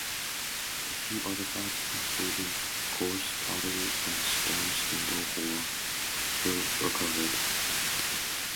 A few artefacts including coarse pottery and a stone spindle whorl were recovered.